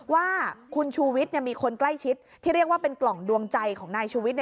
ว่าคุณชูวิทย์มีคนใกล้ชิดที่เรียกว่าเป็นกล่องดวงใจของนายชูวิทย์